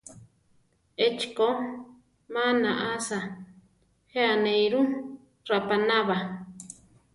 Échi ko, má naʼása, je anéiru: rapaná ba.